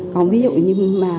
còn ví dụ như mà